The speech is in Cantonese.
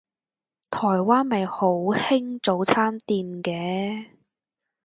台灣咪好興早餐店嘅